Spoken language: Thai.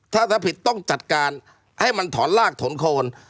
ถ้าถ้าผิดต้องจัดการให้มันถอนลากถอนโคน